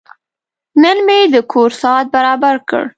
نن مې د کور ساعت برابر کړ.